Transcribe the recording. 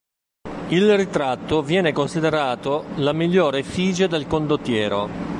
Il ritratto viene considerato la migliore effigie del condottiero.